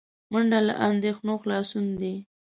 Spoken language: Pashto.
منډه له اندېښنو خلاصون دی